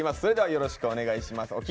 それではよろしくお願いします。